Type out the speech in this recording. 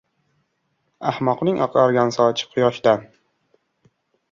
• Ahmoqning oqargan sochi quyoshdan.